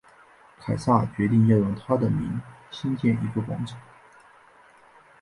凯撒决定要用他的名兴建一个广场。